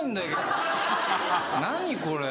何これ？